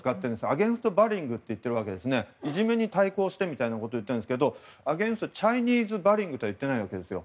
アゲンスト・バリングといじめに対抗してみたいなことを言ってるんですがアゲンスト・チャイニーズバリングとは言ってないんですよ。